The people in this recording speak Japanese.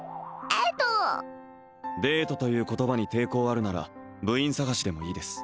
ええっとデートという言葉に抵抗あるなら部員探しでもいいです